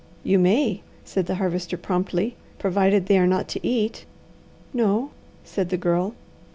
"You may," said the Harvester promptly, "provided they are not to eat." "No," said the Girl.